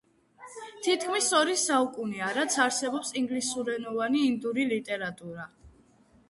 თითქმის ორი საუკუნეა, რაც არსებობს ინგლისურენოვანი ინდური ლიტერატურა.